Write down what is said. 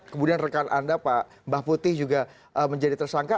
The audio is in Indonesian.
kemudian rekan anda pak mbah putih juga menjadi tersangka